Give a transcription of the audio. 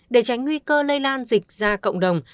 để tránh nguy cơ lây lan dịch ra cộng đồng